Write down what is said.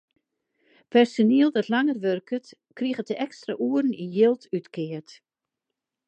Personiel dat langer wurket, kriget de ekstra oeren yn jild útkeard.